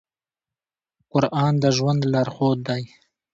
قرآن د ژوند لارښود دی.